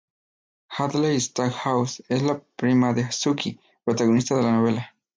Hadley Stackhouse es la prima de Sookie, protagonista de la novela.